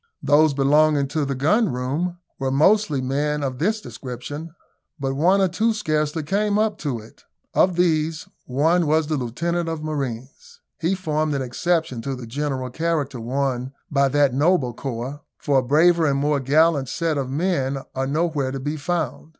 Those belonging to the gun room were mostly men of this description, but one or two scarcely came up to it. Of these one was the lieutenant of marines. He formed an exception to the general character won by that noble corp for a braver and more gallant set of men are nowhere to be found.